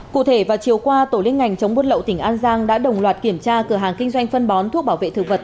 cụ thể vào chiều qua tổ liên ngành chống buôn lậu tỉnh an giang đã đồng loạt kiểm tra cửa hàng kinh doanh phân bón thuốc bảo vệ thực vật